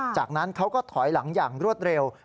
จากนั้นเขาก็ถอยหลังอย่างรวดเร็ว